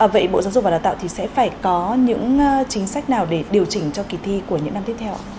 vậy bộ giáo dục và đào tạo thì sẽ phải có những chính sách nào để điều chỉnh cho kỳ thi của những năm tiếp theo ạ